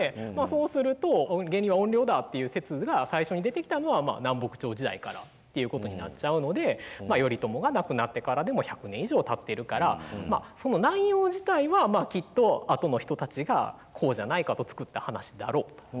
そうすると原因は怨霊だっていう説が最初に出てきたのは南北朝時代からっていうことになっちゃうので頼朝が亡くなってからでも１００年以上たっているからその内容自体はきっとあとの人たちがこうじゃないかとつくった話だろうと。